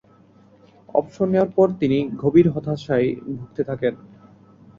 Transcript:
অবসর নেয়ার পর তিনি গভীর হতাশায় ভুগতে থাকেন।